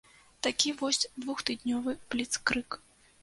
Такі вось двухтыднёвы бліцкрыг.